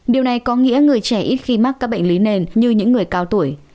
điều này có nghĩa người trẻ ít khi mắc các bệnh lý nền như những người cao tuổi